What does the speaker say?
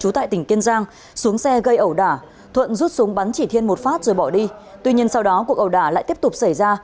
chú tại tỉnh kiên giang xuống xe gây ẩu đả thuận rút súng bắn chỉ thiên một phát rồi bỏ đi tuy nhiên sau đó cuộc ẩu đả lại tiếp tục xảy ra